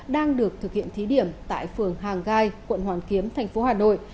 đang được thực hiện thí điểm tại phường hàng gai quận hoàn kiếm thành phố hà nội